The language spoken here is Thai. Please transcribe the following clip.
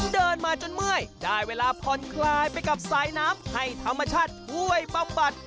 เดินมาจนเมื่อยได้เวลาผ่อนคลายไปกับสายน้ำให้ธรรมชาติช่วยบำบัด